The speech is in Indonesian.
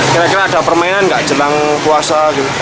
kira kira ada permainan nggak jelang puasa